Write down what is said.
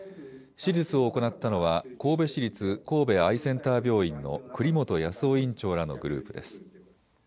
手術を行ったのは神戸市立神戸アイセンター病院の栗本康夫院長らのグループです。